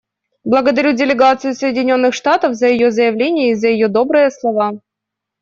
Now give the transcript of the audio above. Благодарю делегацию Соединенных Штатов за ее заявление и за ее добрые слова.